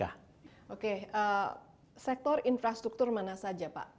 oke sektor infrastruktur mana saja pak